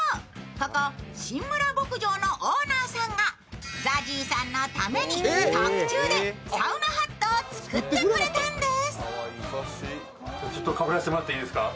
ここしんむら牧場のオーナーさんがＺＡＺＹさんのために特注でサウナハットを作ってくれたんです。